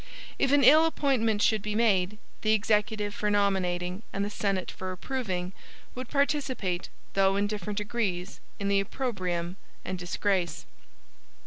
If an ill appointment should be made, the Executive for nominating, and the Senate for approving, would participate, though in different degrees, in the opprobrium and disgrace.